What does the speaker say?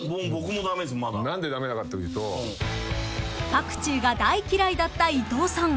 ［パクチーが大嫌いだった伊藤さん］